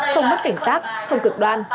không mất cảnh sát không cực đoan